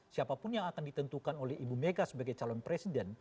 siapapun yang akan ditentukan oleh ibu mega sebagai calon presiden